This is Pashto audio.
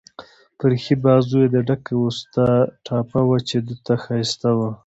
پر ښي بازو يې د ډک اوسټا ټاپه وه، چې ده ته ښایسته وه.